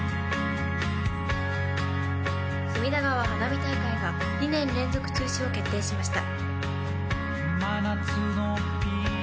隅田川花火大会が２年連続中止を決定しました。